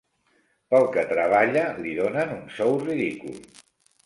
Pel que treballa li donen un sou ridícul.